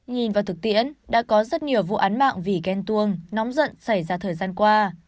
nhìn vào thực tiễn đã có rất nhiều vụ án mạng vì ghen tuông nóng giận xảy ra thời gian qua